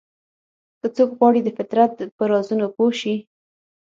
که څوک غواړي د فطرت په رازونو پوه شي.